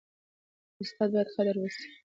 د استاد باید قدر وسي.